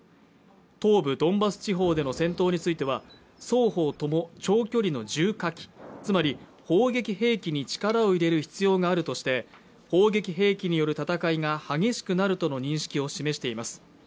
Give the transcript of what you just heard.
東部ドンバス地方での戦闘については双方とも長距離の重火器つまり砲撃兵器に力を入れる必要があるとして砲撃兵器による戦いが激しくなるとの認識を示しています